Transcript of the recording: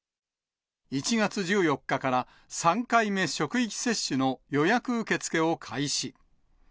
１月１４日から、３回目職域接種の予約受け付けを開始。